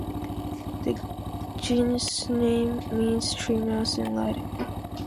The genus name means "tree mouse" in Latin.